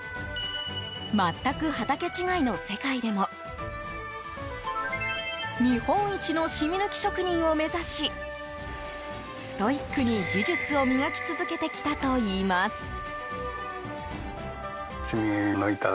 全く畑違いの世界でも日本一のシミ抜き職人を目指しストイックに技術を磨き続けてきたといいます。